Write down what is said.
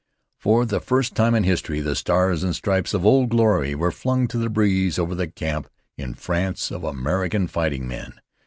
For the first time in history, the Stars and Stripes of Old Glory were flung to the breeze over the camp, in France, of American fighting men.